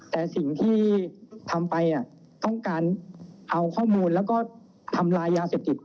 แต่สิ่งที่ทำไปต้องการเอาข้อมูลแล้วก็ทำลายยาเสพติด